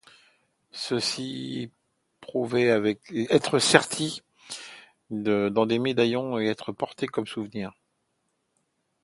Ceux-ci pouvaient être sertis dans des médaillons et être portés comme souvenirs.